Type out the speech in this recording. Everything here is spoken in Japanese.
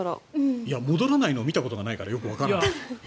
戻らないのを見たことないからわからない。